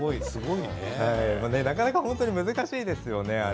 なかなか難しいですよね